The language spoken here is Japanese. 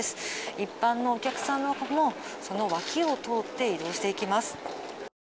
一般のお客さんのほうもその脇を通って移動していきます。